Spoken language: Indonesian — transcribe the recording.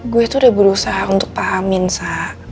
gue itu udah berusaha untuk pahamin sa